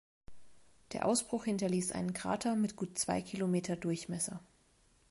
Der Ausbruch hinterließ einen Krater mit gut zwei Kilometer Durchmesser.